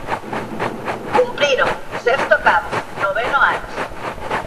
Cumpriron, sexto Cabo, noveno Ares.